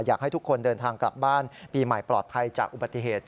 อยากให้ทุกคนเดินทางกลับบ้านปีใหม่ปลอดภัยจากอุบัติเหตุ